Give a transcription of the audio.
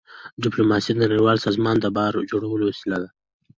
ډيپلوماسي د نړیوالو سازمانونو د باور جوړولو وسیله ده.